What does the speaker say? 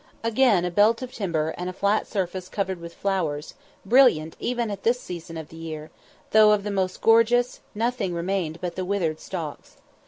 Again a belt of timber, and a flat surface covered with flowers, brilliant even at this season of the year; though, of the most gorgeous, nothing remained but the withered stalks.